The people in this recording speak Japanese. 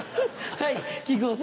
はい。